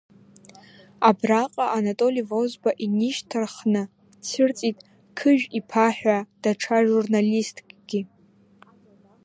Абраҟа Анатоли Возба инишьҭарххны дцәырҵит Қыжә-иԥа ҳәа даҽа журналисткгьы.